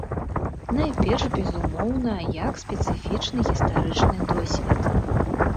Найперш, безумоўна, як спецыфічны гістарычны досвед.